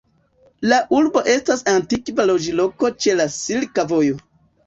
La urbo estas antikva loĝloko ĉe la Silka Vojo.